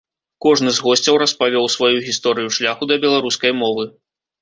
Кожны з госцяў распавёў сваю гісторыю шляху да беларускай мовы.